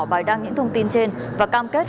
bài đăng những thông tin trên và cam kết